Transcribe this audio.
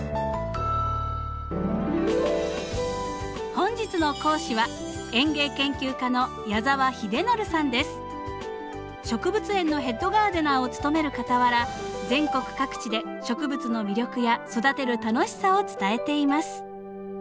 本日の講師は植物園のヘッドガーデナーを務めるかたわら全国各地で植物の魅力や育てる楽しさを伝えています。